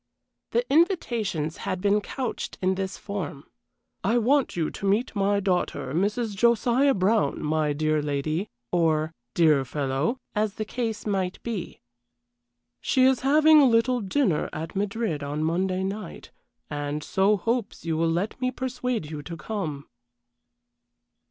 The invitations had been couched in this form: "I want you to meet my daughter, Mrs. Josiah Brown, my dear lady," or "dear fellow," as the case might be. "She is having a little dinner at Madrid on Monday night, and so hopes you will let me persuade you to come."